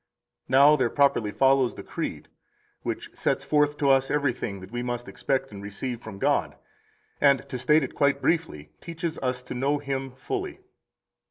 Now, there properly follows the Creed, which sets forth to us everything that we must expect and receive from God, and, to state it quite briefly, teaches us to know Him fully.